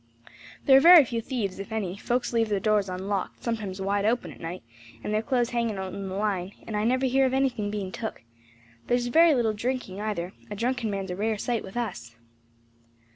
"There are very few thieves, if any; folks leave their doors unlocked sometimes wide open at night, and their clothes hanging out on the line; and I never hear of anything bein' took. There's very little drinking either; a drunken man's a rare sight with us."